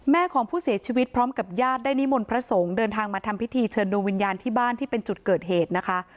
ของผู้เสียชีวิตพร้อมกับญาติได้นิมนต์พระสงฆ์เดินทางมาทำพิธีเชิญดวงวิญญาณที่บ้านที่เป็นจุดเกิดเหตุนะคะ